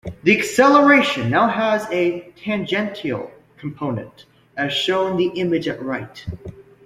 The acceleration now has a tangential component, as shown the image at right.